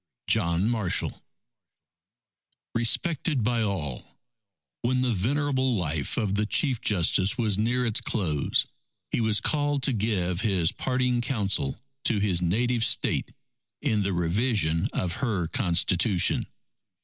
_ JOHN MARSHALL Respected by All When the venerable life of the Chief Justice was near its close, he was called to give his parting counsel to his native State, in the revision of her Constitution.